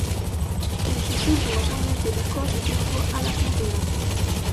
En sus últimos años dedicó su tiempo a la pintura.